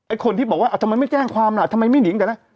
คนที่บอกว่าทำไมไม่แจ้งความล่ะทำไมไม่นิงกันนะ